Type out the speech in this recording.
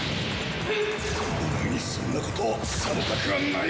お前にそんなことをされたくはない！